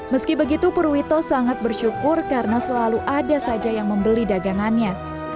meski begitu purwito sangat bersyukur karena selalu ada saja yang membeli dagangannya